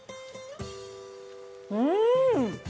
うん！